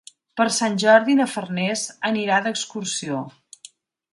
Per Sant Jordi na Farners anirà d'excursió.